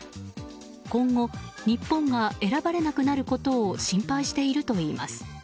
今後、日本が選ばれなくなることを心配しているといいます。